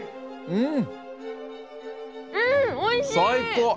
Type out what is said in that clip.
うん。